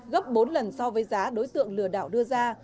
gấp bốn lần so với giá đối tượng lừa đảo đưa ra